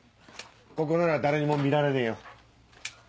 ここなら誰にも見られねえよ。